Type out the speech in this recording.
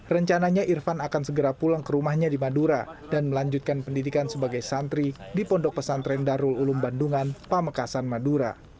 rencananya irfan akan segera pulang ke rumahnya di madura dan melanjutkan pendidikan sebagai santri di pondok pesantren darul ulum bandungan pamekasan madura